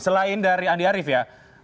selain dari andi arief ya